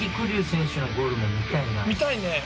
見たいね。